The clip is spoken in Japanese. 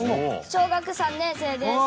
小学３年生です。